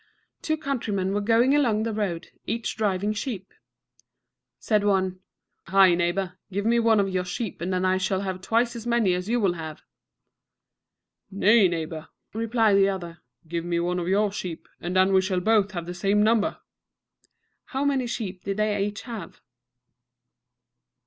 Two countrymen were going along the road, each driving sheep. Said one, "Hi, neighbor, give me one of your sheep, and then I shall have twice as many as you will have." "Nay, neighbor," replied the other, "give me one of your sheep, and then we shall both have the same number." How many sheep did each have?